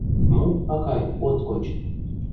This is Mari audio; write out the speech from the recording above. Мо, акай, от коч?